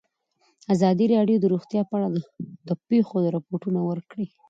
ازادي راډیو د روغتیا په اړه د پېښو رپوټونه ورکړي.